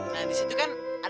nah di situ kan ada sesuatu